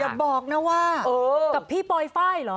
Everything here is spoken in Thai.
อย่าบอกนะว่ากับพี่ปลอยไฟล์เหรอ